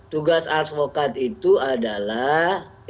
tugas advokat itu adalah